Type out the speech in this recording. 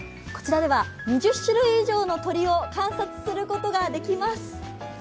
こちらでは２０種類以上の鳥を観察することができます。